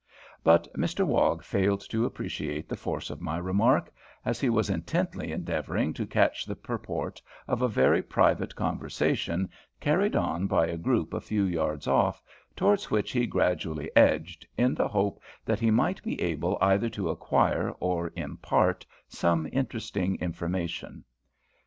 But Mr Wog failed to appreciate the force of my remark, as he was intently endeavouring to catch the purport of a very private conversation carried on by a group a few yards off, towards which he gradually edged, in the hope that he might be able either to acquire or impart some interesting information.